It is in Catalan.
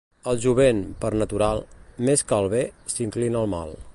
El jovent, per natural, més que al bé, s'inclina al mal.